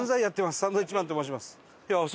サンドウィッチマンと申します。